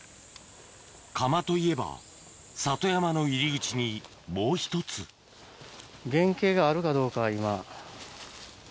窯といえば里山の入り口にもう１つ原形があるかどうか今。